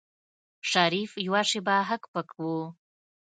شريف يوه شېبه هک پک و.